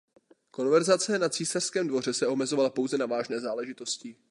Konverzace na císařském dvoře se omezovala pouze na vážné záležitosti.